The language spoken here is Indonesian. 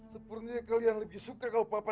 sepertinya kalian lebih suka kalau papa